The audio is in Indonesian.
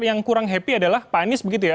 yang kurang happy adalah pak anies begitu ya